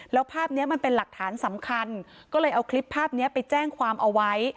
แล้วภาพนี้มันเป็นหลักฐานสำคัญก็เลยเอาคลิปภาพนี้ไปแจ้งความเอาไว้